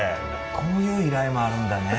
こういう依頼もあるんだね。